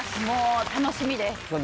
もう楽しみです。